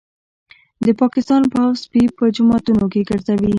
د پاکستان پوځ سپي په جوماتونو کي ګرځوي